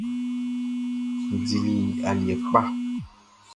N dili aliɛ kpa.